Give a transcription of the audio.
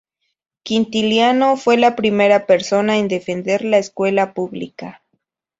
Quintiliano fue la primera persona en defender la escuela pública.